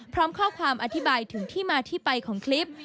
พร้อมข้อความอธิบายถึงที่มาที่ไปของคลิป